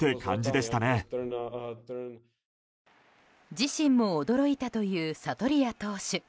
自身も驚いたというサトリア投手。